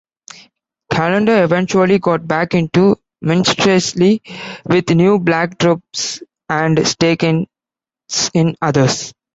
Callender eventually got back into minstrelsy with new black troupes and stakes in others.